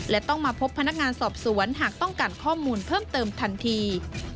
และต้องมาพบพนักงานสอบสวนหากต้องการข้อมูลเพิ่มเติมทันที